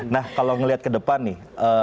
nah kalau ngeliat kedepan nih